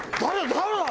誰だ？」